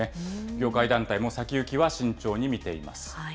業界団体も先行きは慎重に見ています。